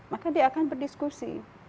maka dia akan berdiskusi